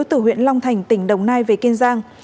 từ huyện long thành tỉnh đồng nai về kiên giang